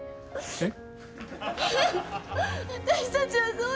えっ？